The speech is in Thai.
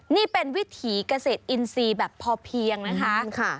นี่เป็นวิถีเกษตรอินทรีย์แบบพอเพียงนะคะ